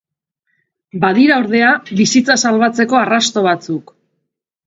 Badira, ordea, bizitza salbatzeko arrasto batzuk.